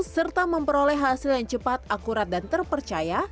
serta memperoleh hasil yang cepat akurat dan terpercaya